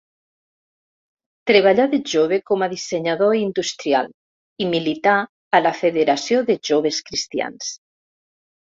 Treballà de jove com a dissenyador industrial i milità a la Federació de Joves Cristians.